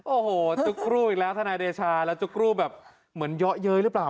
โอ้โหจุ๊กรูอีกแล้วทนายเดชาแล้วจุ๊กรูแบบเหมือนเยาะเย้ยหรือเปล่า